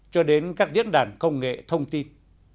cho đến các diễn đàn công nghệ thông tin